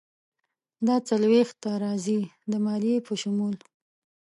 دا څلویښت ته راځي، د مالیې په شمول.